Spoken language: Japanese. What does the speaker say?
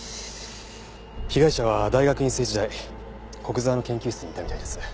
被害者は大学院生時代古久沢の研究室にいたみたいです。